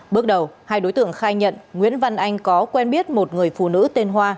bước đầu hai đối tượng khai nhận nguyễn văn anh có quen biết một người phụ nữ tên hoa